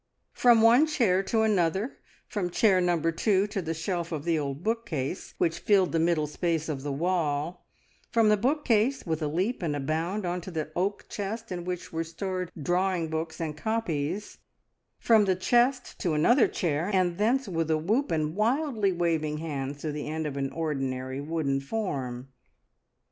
From one chair to another, from chair number two to the shelf of the old bookcase which filled the middle space of the wall; from the bookcase, with a leap and a bound, on to the oak chest in which were stored drawing books and copies; from the chest to another chair, and thence with a whoop and wildly waving hands to the end of an ordinary wooden form.